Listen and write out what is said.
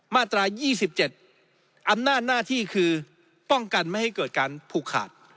มาตรา๒๗อำนาจหน้าที่คือป้องกันไม่ให้เกิดการผูกขาด